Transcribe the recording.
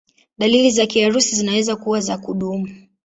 Dalili za kiharusi zinaweza kuwa za kudumu.